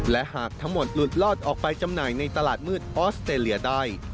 และหากทั้งหมดหลุดลอดออกไปจำหน่ายในตลาดมืดออสเตรเลียได้